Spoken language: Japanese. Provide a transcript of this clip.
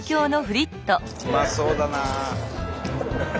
うまそうだなあ。